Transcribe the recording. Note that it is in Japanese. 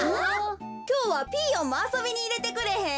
きょうはピーヨンもあそびにいれてくれへん？